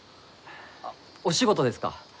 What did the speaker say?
あっお仕事ですか？